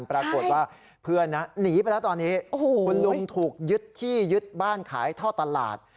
ปรากฏว่าเพื่อนหนีไปแล้วตอนนี้คุณลุงถูกยึดที่ยึดบ้านขายท่อตลาด